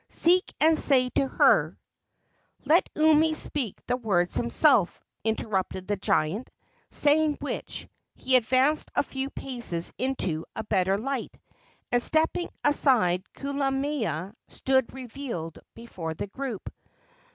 "Seek and say to her " "Let Umi speak the words himself," interrupted the giant; saying which, he advanced a few paces into a better light, and, stepping aside, Kulamea stood revealed before the group.